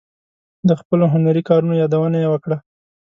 د خپلو هنري کارونو یادونه یې وکړه.